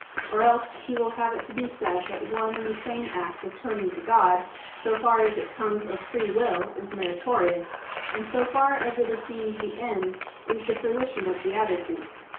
Or else it will have to be said that one and the same act of turning to God, so far as it comes of free will, is meritorious; and so far as it attains the end, is the fruition of beatitude.